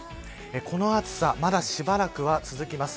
この暑さまだしばらくは続きます。